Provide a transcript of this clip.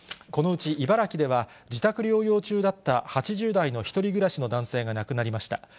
このうち茨城では、自宅療養中だった８０代の１人暮らしの男性が亡くなりました。